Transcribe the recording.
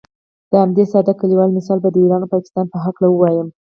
د همدې ساده کلیوال مثال به د ایران او پاکستان په هکله ووایم.